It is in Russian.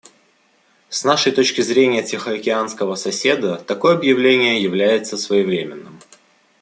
С нашей точки зрения тихоокеанского соседа такое объявление является своевременным.